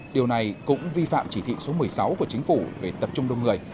điều này cũng vi phạm chỉ thị số một mươi sáu của chính phủ về tập trung đông người